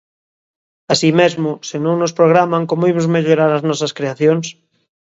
Así mesmo, se non nos programan, como imos mellorar as nosas creacións?